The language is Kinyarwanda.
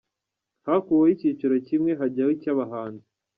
hakuwemo icyiciro kimwe hajyaho icy’abahanzi